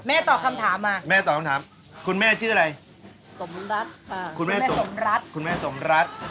แม่ตอบคำถามอ่ะคุณแม่ชื่ออะไรคุณแม่สมรัฐคุณแม่สมรัฐคุณแม่สมรัฐ